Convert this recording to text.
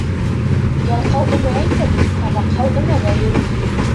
Ялҡау өмә әйтер, тамаҡһау өмәгә йөрөр.